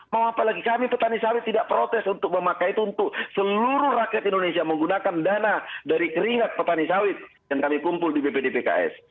mau apalagi kami petani sawit tidak protes untuk memakai itu untuk seluruh rakyat indonesia menggunakan dana dari keringat petani sawit yang kami kumpul di bpdpks